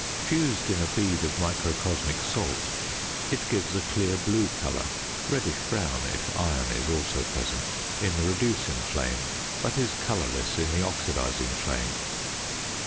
Fused in a bead of microcosmic salt it gives a clear blue colour (reddish brown if iron is also present) in the reducing flame, but is colourless in the oxidising flame.